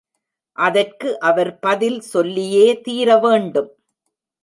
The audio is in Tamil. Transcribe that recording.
அதற்கு அவர் பதில் சொல்லியே தீர வேண்டும்.